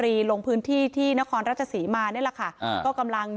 รักแล้วรักเลยแล้วเอาพื้นไม่ได้นะจ๊ะ